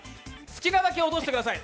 好きなだけ落としてください。